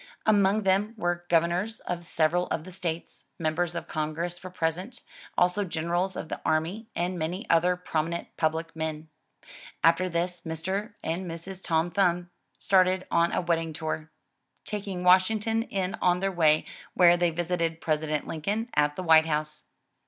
Among them were governors of several of the states; members of congress were present, also generals of the army and many other prominent public men. After this Mr. and Mrs. Tom Thumb started on a wedding tour, taking Washington in on their way where they visited President Lincoln at the White House.